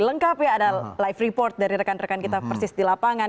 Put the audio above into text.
lengkap ya ada live report dari rekan rekan kita persis di lapangan